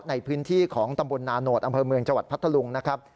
ในพื้นที่ของตำบลนาโนธอำเภอเมืองจังหวัดพัทธลุงนะครับ